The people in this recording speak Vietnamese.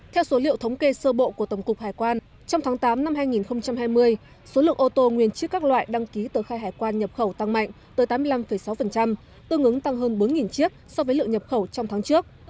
theo số liệu thống kê sơ bộ của tổng cục hải quan trong tháng tám năm hai nghìn hai mươi số lượng ô tô nguyên chức các loại đăng ký tờ khai hải quan nhập khẩu tăng mạnh tới tám mươi năm sáu tương ứng tăng hơn bốn chiếc so với lượng nhập khẩu trong tháng trước